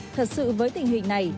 thật sự với tình hình này